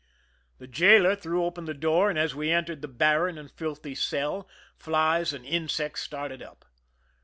The jailer threw open the door, and as we entered the barren and filthy cell, flies and insects started up.